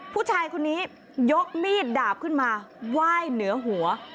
ผู้ชายคนนี้ยกมีดดาบขึ้นมาไหว้เหนือหัว